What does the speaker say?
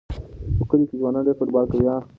په کلي کې ځوانان ډېر فوټبال کوي.